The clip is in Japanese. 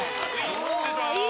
失礼します。